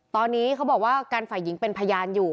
ตอนนี้เขาบอกว่ากันฝ่ายหญิงเป็นพยานอยู่